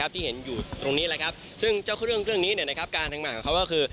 ที่เห็นอยู่ตรงนี้ซึ่งเจ้าเครื่องนี้การทำงานของเขาก็คือ